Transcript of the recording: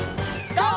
ＧＯ！